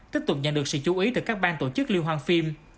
tiếp tục nhận được sự chú ý từ các bang tổ chức lưu hoang phim